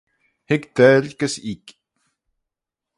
Hig daill gys eeck